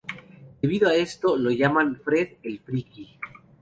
Debido a esto lo llaman Fred el Freaky.